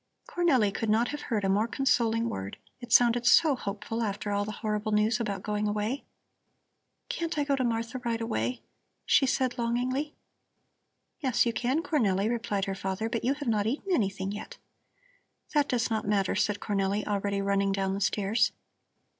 Cornelli could not have heard a more consoling word. It sounded so hopeful after all the horrible news about going away. "Can't I go to Martha right away?" she said longingly. "Yes, you can, Cornelli," replied her father, "but you have not eaten anything yet." "That does not matter," said Cornelli, already running down the stairs.